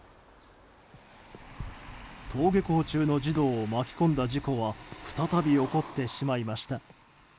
登下校中の児童を巻き込んだ事故は再び起こってしまいました。